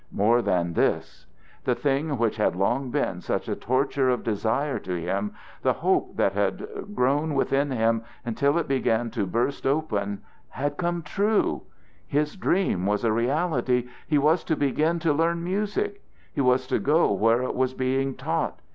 More than this. The thing which had long been such a torture of desire to him, the hope that had grown within him until it began to burst open, had come true; his dream was a reality: he was to begin to learn music, he was to go where it was being taught.